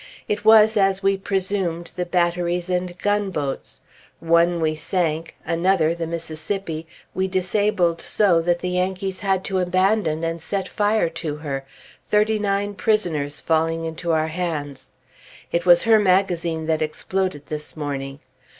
It was, as we presumed, the batteries and gunboats. One we sunk; another, the Mississippi, we disabled so that the Yankees had to abandon and set fire to her, thirty nine prisoners falling into our hands. It was her magazine that exploded this morning.